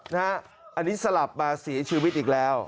อันนี้สลับมาเสียชีวิตอีกแล้ว